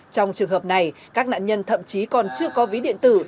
trong trường hợp này các nạn nhân thậm chí còn chưa có ví điện tử